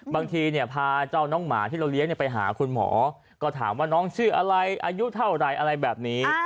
บางทีพาเจ้าน้องหมาที่เราเลี้ยงไปหาคุณหมอก็ถามว่าน้องชื่ออะไรอายุเท่าไหร่อะไรแบบนี้